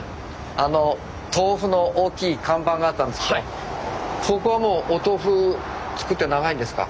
あの豆腐の大きい看板があったんですけどもここはもうお豆腐作って長いんですか？